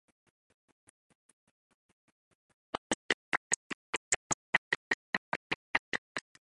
What is the difference between sales management and marketing management?